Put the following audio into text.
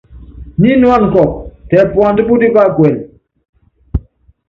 Nyinuána kɔɔkɔ, tɛ puandá patípá kuɛlɛ.